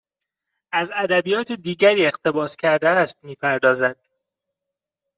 از ادبیات دیگری اقتباس کرده است میپردازد